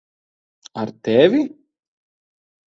Ar tevi?